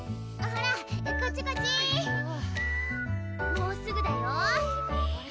もうすぐだよ